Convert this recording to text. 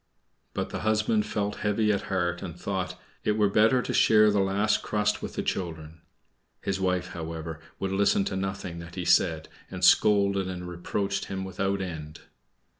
But her husband felt heavy at heart, and thought. "It were better to share the last crust with the children." His wife, however, would listen to nothing that he said, and scolded and reproached him without end.